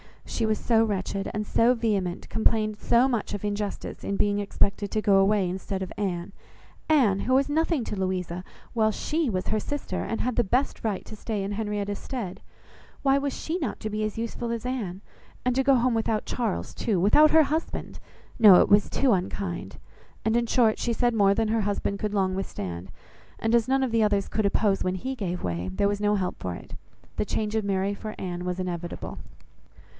She was so wretched and so vehement, complained so much of injustice in being expected to go away instead of Anne; Anne, who was nothing to Louisa, while she was her sister, and had the best right to stay in Henrietta's stead! Why was not she to be as useful as Anne? And to go home without Charles, too, without her husband! No, it was too unkind. And in short, she said more than her husband could long withstand, and as none of the others could oppose when he gave way, there was no help for it; the change of Mary for Anne was inevitable.